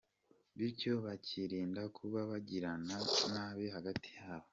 Bityo bakirinda kuba bagirirana nabi hagati yabo.